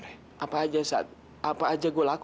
dewi mohon jangan tante